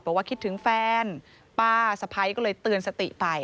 บอกว่าคิดถึงแฟนป้าสะพ้ายก็เลยเตือนสติไป